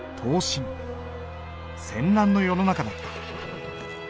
戦乱の世の中だった。